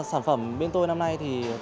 sản phẩm bên tôi năm nay